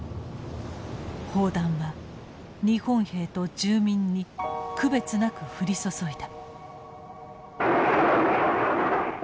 砲弾は日本兵と住民に区別なく降り注いだ。